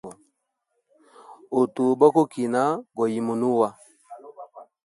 Utu bokukina go yimunua.